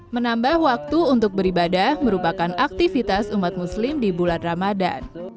menambah waktu untuk beribadah merupakan aktivitas umat muslim di bulan ramadan